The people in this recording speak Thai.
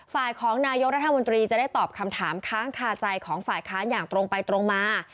ฝ่ายของนายกรัฐมนตรีจะได้ตอบคำถามค้างคาใจของฝ่ายค้านอย่างตรงไปตรงมา